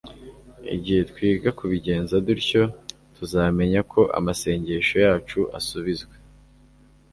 Igihe twiga kubigenza dutyo, tuzamenya ko amasengesho yacu asubizwa.